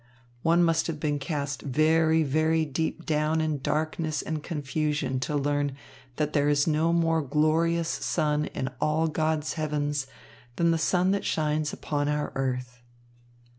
One must have been cast very, very deep down in darkness and confusion to learn that there is no more glorious sun in all God's heavens than the sun that shines upon our earth.